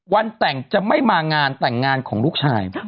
วันแต่งจะไม่มางานแต่งงานของลูกชาย